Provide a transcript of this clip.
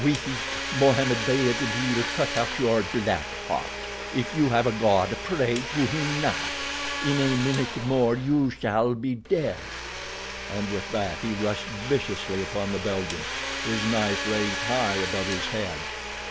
With it Mohammed Beyd will cut out your black heart. If you have a God pray to him now—in a minute more you shall be dead," and with that he rushed viciously upon the Belgian, his knife raised high above his head.